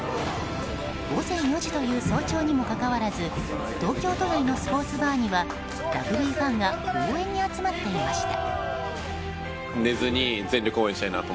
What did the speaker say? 午前４時という早朝にもかかわらず東京都内のスポーツバーにはラグビーファンが応援に集まっていました。